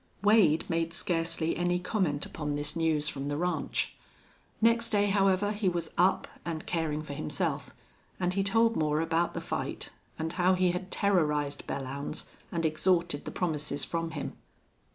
Wade made scarcely any comment upon this news from the ranch; next day, however, he was up, and caring for himself, and he told Moore about the fight and how he had terrorized Belllounds and exhorted the promises from him.